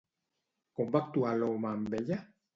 Com va actuar l'home amb ella?